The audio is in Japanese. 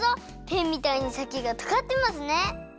ペンみたいにさきがとがってますね。